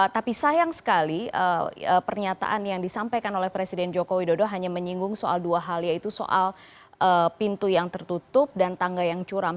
tapi sayang sekali pernyataan yang disampaikan oleh presiden joko widodo hanya menyinggung soal dua hal yaitu soal pintu yang tertutup dan tangga yang curam